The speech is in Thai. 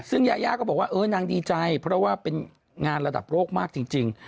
ซึ่งยายาก็บอกว่าเออนางดีใจเพราะว่าเป็นงานระดับโลกมากจริง